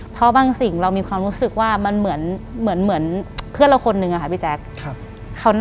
เพราะบางสิ่งเรามีความรู้สึกว่ามันเหมือนเพื่อนเราคนนึงอะค่ะพี่แจ๊ค